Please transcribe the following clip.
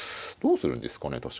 どうするんですかね